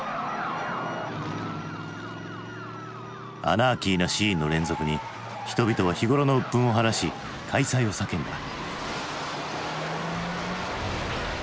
アナーキーなシーンの連続に人々は日頃の鬱憤を晴らし快哉を叫んだ。